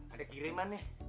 ada kiriman nih